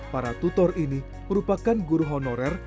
para tutor ini merupakan guru honorer